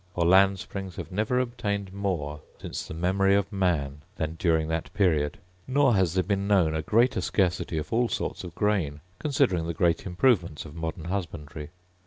For land springs have never obtained more since the memory of man than during that period; nor has there been known a greater scarcity of all sorts of grain, considering the great improvements of modern husbandry.